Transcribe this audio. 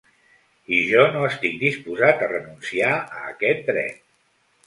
I jo no estic disposat a renunciar a aquest dret.